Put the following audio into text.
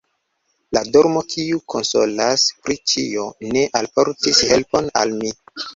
La dormo, kiu konsolas pri ĉio, ne alportis helpon al mi.